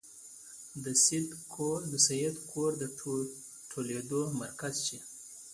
د سید کور د ټولېدلو مرکز شي.